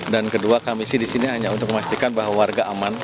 dan kedua kami di sini hanya untuk memastikan bahwa warga aman